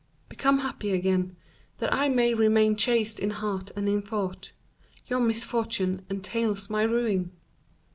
Become happy again, that I may remain chaste in heart and in thought: your misfortune entails my ruin."